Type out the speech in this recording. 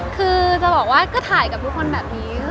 คือจะบอกว่าก็ถ่ายกับทุกคนแบบนี้